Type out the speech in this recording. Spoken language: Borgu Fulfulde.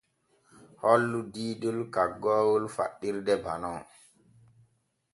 Hollu diidol kaggoowol faɗɗirde banon.